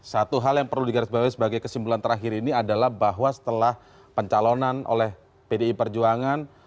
satu hal yang perlu digarisbawahi sebagai kesimpulan terakhir ini adalah bahwa setelah pencalonan oleh pdi perjuangan